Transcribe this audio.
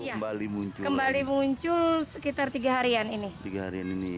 kembali muncul sekitar tiga harian ini